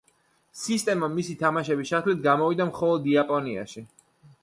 სისტემა მისი თამაშების ჩათვლით გამოვიდა მხოლოდ იაპონიაში.